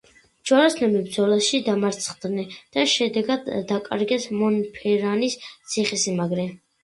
ჯვაროსნები ბრძოლაში დამარცხდნენ და შედეგად დაკარგეს მონფერანის ციხესიმაგრე.